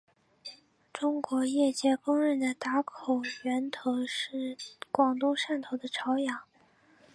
中国业界公认的打口源头是广东汕头的潮阳。